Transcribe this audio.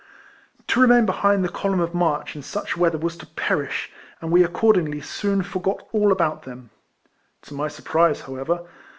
To remain behind the column of march in such weather was to perish, and we accord ingly soon forgot all about them. To my surprise, however.